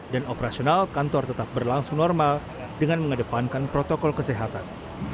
dan operasional kantor tetap berlangsung normal dengan mengedepankan protokol kesehatan